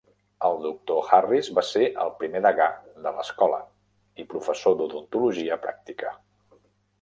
El doctor Harris va ser el primer degà de l'escola i professor d'odontologia pràctica.